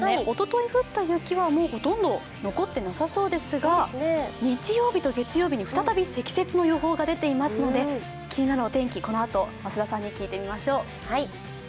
おととい降った雪は、ほとんど残ってなさそうですが、日曜日と月曜日に再び積雪の予報が出ていますので、気になるお天気、このあと聞いてみましょう。